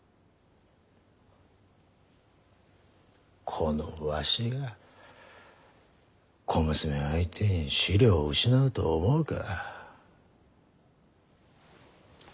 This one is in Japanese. このわしが小娘相手に思慮を失うと思うか？